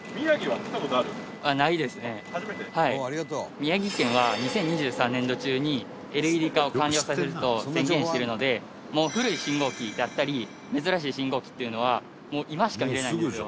宮城県は２０２３年度中にＬＥＤ化を完了させると宣言しているのでもう古い信号機だったり珍しい信号機っていうのは今しか見れないんですよ。